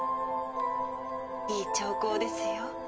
いい兆候ですよ。